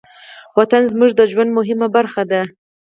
وطن زموږ د ژوند مهمه برخه ده.